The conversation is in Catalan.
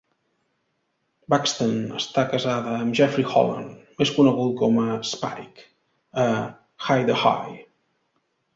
Buxton està casada amb Jeffrey Holland, més conegut com a Spike a "Hi-de-Hi!".